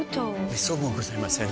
めっそうもございません。